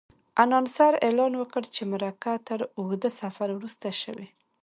انانسر اعلان وکړ چې مرکه تر اوږده سفر وروسته شوې.